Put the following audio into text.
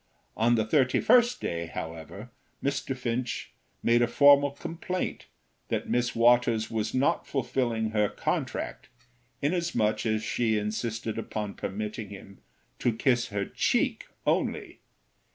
On the thirty first day, however, Mr. Finch made a formal complaint that Miss Waters was not fulfilling her contract, inasmuch as she insisted upon permitting him to kiss her cheek only.